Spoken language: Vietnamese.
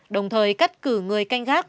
đồng thời cắt cử người canh gác